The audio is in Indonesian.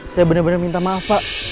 saya bener bener minta maaf pak